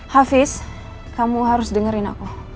hafiz kamu harus dengerin aku